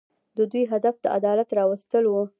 د دوی هدف د عدالت راوستل وو.